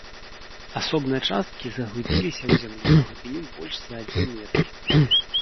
Асобныя часткі заглыбіліся ў зямлю на глыбіню больш за адзін метр.